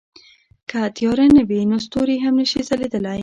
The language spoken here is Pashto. که تیاره نه وي نو ستوري هم نه شي ځلېدلی.